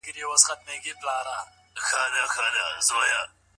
د ستاينې قانون ټولنه تقویتوي.